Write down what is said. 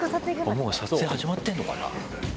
もう撮影始まってるのかな？